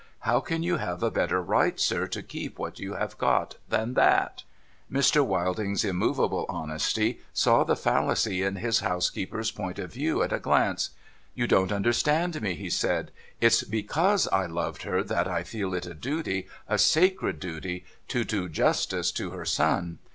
How can you have a better right, sir, to keep what you have got than that ?' Mr. Wilding's immovable honesty saw the fallacy in his house keeper's point of view at a glance. ' You don't understand me,' he said. ' It's hecmise I loved her that I feel it a duty— a sacred duty — to do justice to her son.